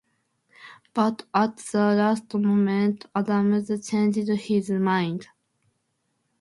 But at the last moment, Adams changed his mind.